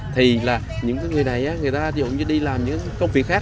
thì là những cái người này á người ta dùng như đi làm những công việc khác